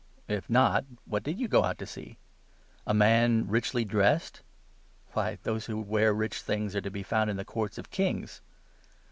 If not, what did you go out to see ? A man richly dressed ? Why, those who wear rich things are to be found in the courts of kings